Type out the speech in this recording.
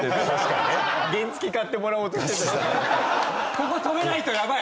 ここ止めないとやばい！